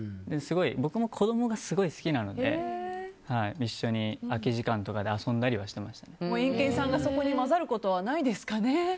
僕も子供がすごい好きなので一緒に空き時間とかでエンケンさんがそこに混ざることはないですかね。